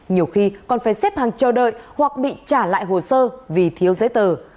nhiều khi còn phải xếp hàng chờ đợi hoặc bị trả lại hồ sơ vì thiếu giấy tờ